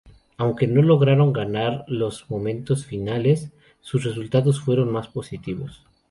Aunque no lograron ganar en los momentos finales, sus resultados fueron más positivos.